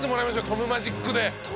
トムマジック！